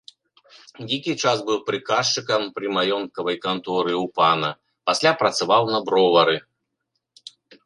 Нейкі час быў прыказчыкам пры маёнткавай канторы ў пана, пасля працаваў на бровары.